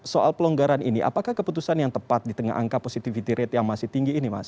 soal pelonggaran ini apakah keputusan yang tepat di tengah angka positivity rate yang masih tinggi ini mas